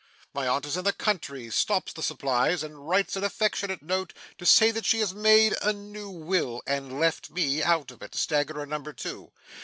My aunt in the country stops the supplies, and writes an affectionate note to say that she has made a new will, and left me out of it staggerer, number two.